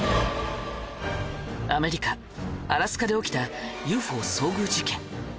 アメリカアラスカで起きたＵＦＯ遭遇事件。